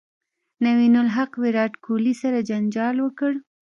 نوین الحق ویرات کوهلي سره جنجال وکړ